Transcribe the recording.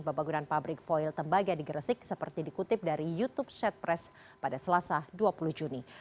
pembangunan pabrik foil tembaga di gresik seperti dikutip dari youtube shed pres pada selasa dua puluh juni